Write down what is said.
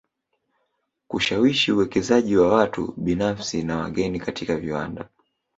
Kushawishi uwekezaji wa watu binafsi na wageni katika viwanda